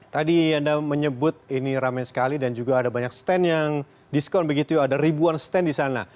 tadi anda menyebut ini ramai sekali dan juga ada banyak stand yang diskon begitu ada ribuan stand di sana